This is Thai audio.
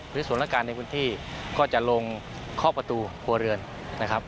สถานการณ์ในพื้นที่ก็จะลงข้อประตูครัวเรือนนะครับ